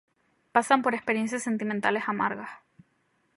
Pasan por experiencias sentimentales amargas.